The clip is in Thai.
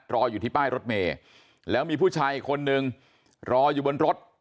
รออยู่ที่ป้ายรถเมย์แล้วมีผู้ชายอีกคนนึงรออยู่บนรถ